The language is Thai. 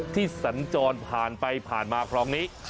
ที่สะจรผ่านไปผ่านมาครอบครองนี้